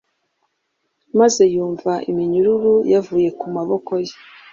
maze yumva iminyururu yavuye ku maboko ye.